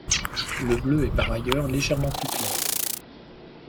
Le bleu est par ailleurs légèrement plus clair.